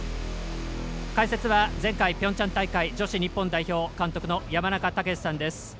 解説は、前回ピョンチャン大会女子日本代表の監督の山中武司さんです。